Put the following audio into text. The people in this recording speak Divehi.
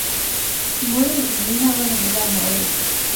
މުޅިމީހާވަނީ މިލާ މޯޅިވެފަ